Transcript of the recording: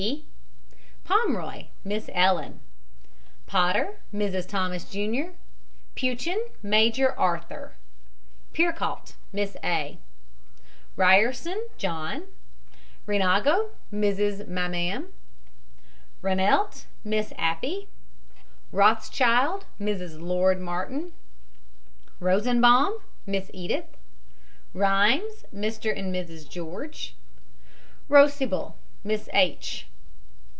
E. POMROY, MISS ELLEN. POTTER, MRS. THOMAS, JR. PEUCHEN, MAJOR ARTHUR. PEERCAULT, MISS A. RYERSON, JOHN. RENAGO, MRS. MAMAM. RANELT, MISS APPIE. ROTHSCHILD, MRS. LORD MARTIN. ROSENBAHM, MISS EDITH. RHEIMS, MR. AND MRS GEORGE. ROSIBLE, MISS H.